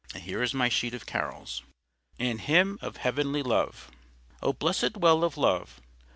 And here is my sheet of Carols:— AN HYMNE OF HEAVENLY LOVE. O blessed Well of Love!